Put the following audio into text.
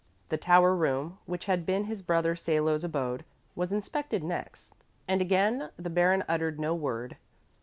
The tower room, which had been his brother Salo's abode, was inspected next, and again the Baron uttered no word.